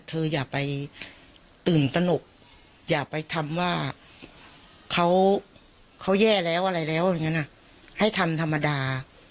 อย่าไปตื่นตนกอย่าไปทำว่าเขาแย่แล้วอะไรแล้วอย่างนั้นให้ทำธรรมดา